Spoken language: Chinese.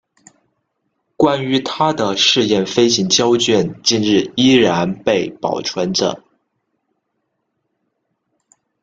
关于他的试验飞行胶卷今日依然被保存着。